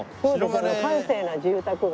閑静な住宅街。